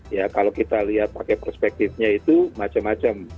ya kalau kita lihat pakai perspektifnya itu macam macam